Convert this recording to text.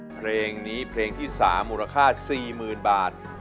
เพลงนี้เพลงที่๓มูลค่า๔๐๐๐บาท